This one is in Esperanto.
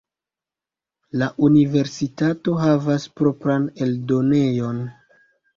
La universitato havas propran eldonejon.